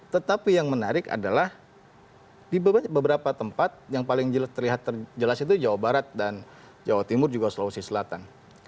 tetapi yang menarik adalah di beberapa tempat yang paling terlihat jelas itu jawa barat dan jawa timur juga sulawesi selatan